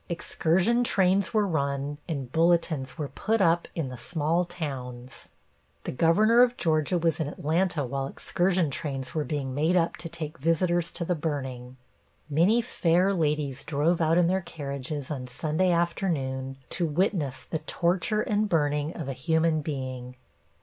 Excursion trains were run and bulletins were put up in the small towns. The Governor of Georgia was in Atlanta while excursion trains were being made up to take visitors to the burning. Many fair ladies drove out in their carriages on Sunday afternoon to witness the torture and burning of a human being.